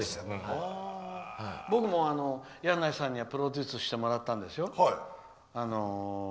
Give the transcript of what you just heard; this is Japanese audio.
僕も、箭内さんにはプロデュースしてもらったんですよ。